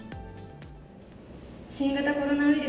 新型コロナウイルス